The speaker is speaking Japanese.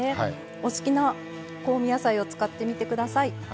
お好きな香味野菜を使ってみてください。